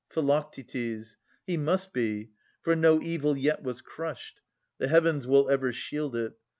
Phi. He must be : for no evil yet was crushed. The Heavens will ever shield it.